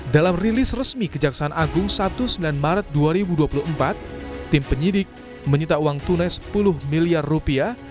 dalam rilis resmi kejaksaan agung satu sembilan maret dua ribu dua puluh empat tim penyidik menyita uang tunai sepuluh miliar rupiah